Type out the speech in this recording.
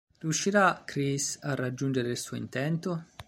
Riuscirà Chris a raggiungere il suo intento?